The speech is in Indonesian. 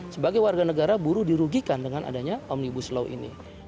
sebagai warga negara buruh dirugikan dengan adanya omnibus law ini